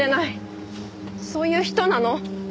そういう人なの。